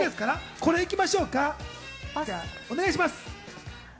お願いします。